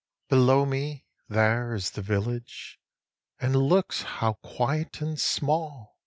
2. Below me, there, is the village, and looks how quiet and small!